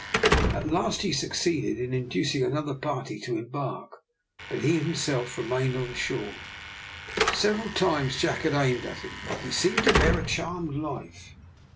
At last he succeeded in inducing another party to embark, but he himself remained on shore. Several times Jack had aimed at him, but he seemed to bear a charmed life.